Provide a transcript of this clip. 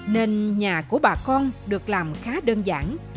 nên nhà của bà con được làm khá đơn giản